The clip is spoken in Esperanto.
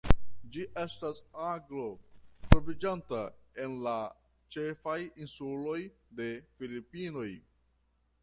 Ĝi estas aglo troviĝanta en la ĉefaj insuloj de Filipinoj.